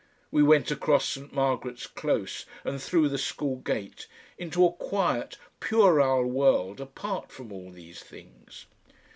We went across St. Margaret's Close and through the school gate into a quiet puerile world apart from all these things.